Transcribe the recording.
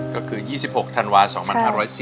ก็คือ๒๖ธันวา๒๕๔